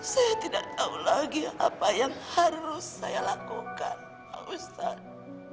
saya tidak tahu lagi apa yang harus saya lakukan pak ustadz